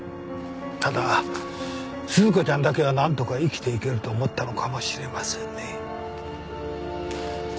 ただ鈴子ちゃんだけは何とか生きていけると思ったのかもしれませんね。